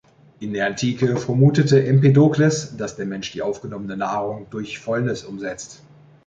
In der Antike vermutete Empedokles, dass der Mensch die aufgenommene Nahrung durch Fäulnis umsetzt.